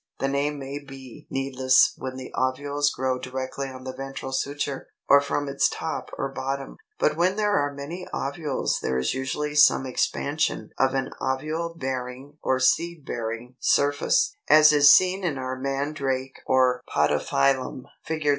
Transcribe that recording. The name may be needless when the ovules grow directly on the ventral suture, or from its top or bottom; but when there are many ovules there is usually some expansion of an ovule bearing or seed bearing surface; as is seen in our Mandrake or Podophyllum, Fig.